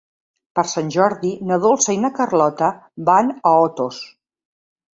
Per Sant Jordi na Dolça i na Carlota van a Otos.